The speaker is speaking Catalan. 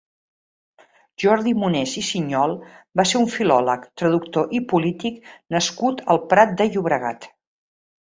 Jordi Moners i Sinyol va ser un filòleg, traductor i polític nascut al Prat de Llobregat.